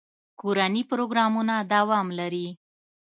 کورني پروګرامونه دوام لري.